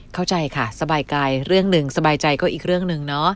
เข้าใจค่ะสบายกายเรื่องหนึ่งสบายใจก็อีกเรื่องหนึ่งเนาะ